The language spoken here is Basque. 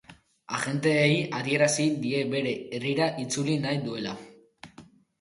Agenteei adierazi die bere herrira itzuli nahi duela.